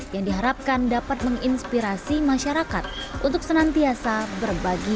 yang diharapkan dapat menginspirasi masyarakat untuk senantiasa berbagi